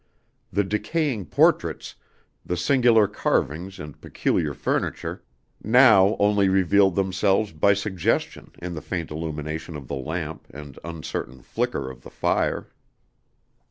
The decaying portraits, the singular carvings and peculiar furniture, now only revealed themselves by suggestion in the faint illumination of the lamp and uncertain flicker of the fire.